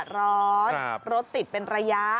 รถติดเป็นระยะ